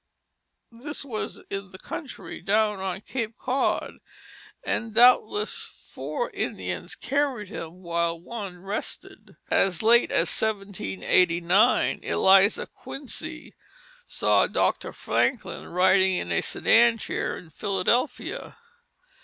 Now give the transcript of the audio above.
This was in the country, down on Cape Cod, and doubtless four Indians carried him while one rested. As late as 1789 Eliza Quincy saw Dr. Franklin riding in a sedan chair in Philadelphia.